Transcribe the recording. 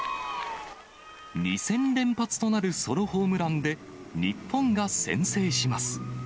２戦連発となるソロホームランで日本が先制します。